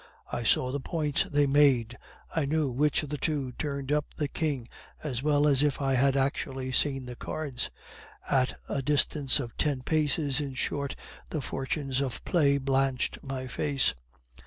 I saw the points they made; I knew which of the two turned up the king as well as if I had actually seen the cards; at a distance of ten paces, in short, the fortunes of play blanched my face.